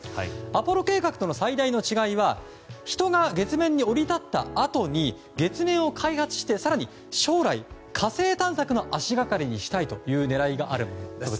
アポロ計画との最大の違いは人が月面に降り立ったあとに月面を開発して更に将来、火星探索の足掛かりにしたい狙いがあるんです。